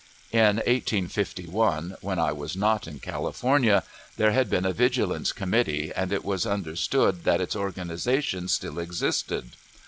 In 1851 (when I was not in California) there had been a Vigilance Committee, and it was understood that its organization still existed.